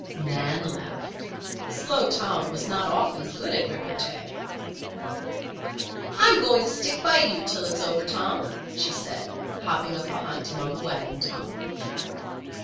Nan laughed. Slow Tom was not often good at repartee. "I'm going to stick by you till it's over, Tom," she said, hopping up behind him on the wagon tongue.